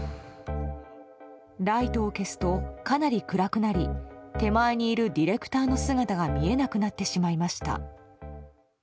ライトを消すとかなり暗くなり手前にいるディレクターの姿が見えなくなってしまいました。